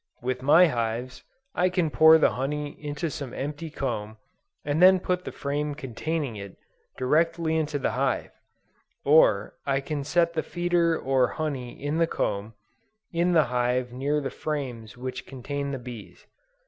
With my hives, I can pour the honey into some empty comb, and then put the frame containing it, directly into the hive; or I can set the feeder or honey in the comb, in the hive near the frames which contain the bees.